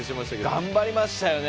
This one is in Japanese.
頑張りましたよね。